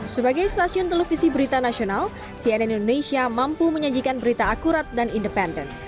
sebagai stasiun televisi berita nasional cnn indonesia mampu menyajikan berita akurat dan independen